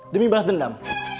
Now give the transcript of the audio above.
demi balas dendam